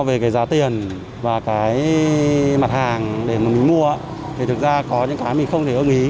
về cái giá tiền và cái mặt hàng để mà mình mua thì thực ra có những cái mình không thể ươm ý